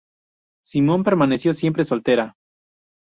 Simon permaneció siempre soltera.